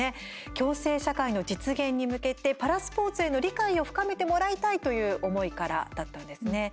共生社会の実現に向けてパラスポーツへの理解を深めてもらいたいという思いからだったんですね。